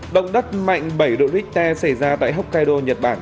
động đất mạnh bảy độ richter xảy ra tại hokkaido nhật bản